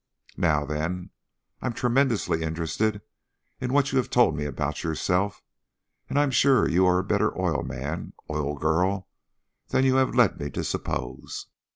Now then, I'm tremendously interested in what you have told me about yourself, and I'm sure you are a better oil man oil girl than you have led me to suppose.